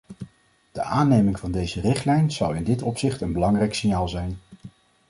De aanneming van deze richtlijn zal in dit opzicht een belangrijk signaal zijn.